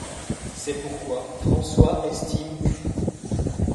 C'est pourquoi, François estime qu'.